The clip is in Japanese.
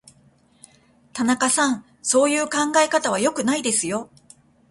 田中さん、そういう考え方は良くないですよ。